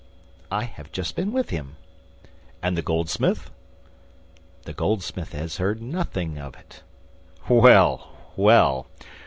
"I have just been with him." "And the goldsmith?" "The goldsmith has heard nothing of it." "Well, well!